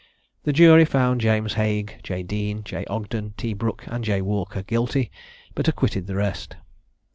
The jury found James Haigh, J. Deane, J. Ogden, T. Brook, and J. Walker guilty, but acquitted the rest.